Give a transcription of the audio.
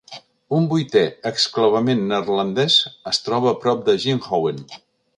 Un vuitè exclavament neerlandès es troba a prop de Ginhoven.